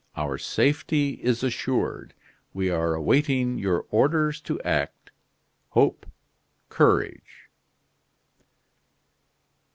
Our safety is assured; we are waiting your orders to act. Hope! Courage!"